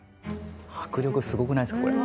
迫力すごくないですか？